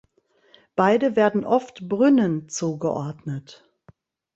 Beide werden oft Brünnen zugeordnet.